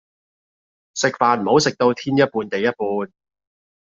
食飯唔好食到天一半地一半